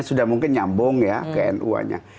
sudah mungkin nyambung ya knu annya